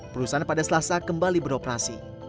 perusahaan pada selasa kembali beroperasi